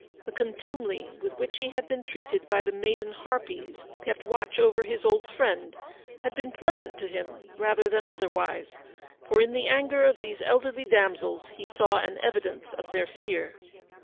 The contumely with which he had been treated by the maiden harpies who kept watch over his old friend had been pleasant to him rather THE STORY OF THE PAST. Go than otherwise, for in the anger of these elderly damsels he saw an evidence of their fear.